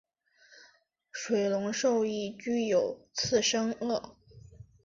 水龙兽已具有次生腭。